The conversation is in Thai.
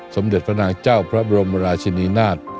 สมเด็จพระนางเจ้าพระบรมราชินีนาฏ